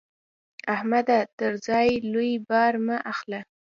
احمده! تر ځان لوی بار مه اخله.